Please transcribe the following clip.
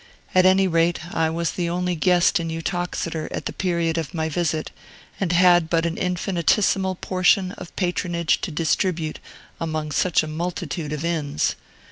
At any rate, I was the only guest in Uttoxeter at the period of my visit, and had but an infinitesimal portion of patronage to distribute among such a multitude of inns.